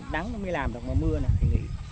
đắng nó mới làm được mà mưa này